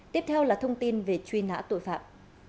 tiếp theo là thông tin về truy nã tội phạm